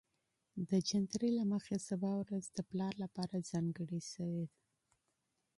د جنتري له مخې سبا ورځ د پلار لپاره ځانګړې شوې